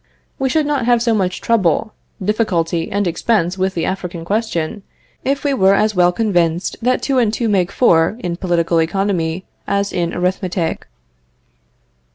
We should not have so much trouble, difficulty and expense with the African question if we were as well convinced that two and two make four in political economy as in arithmetic.